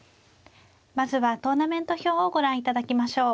まずはトーナメント表をご覧いただきましょう。